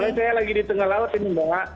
saya lagi di tengah laut ini mbak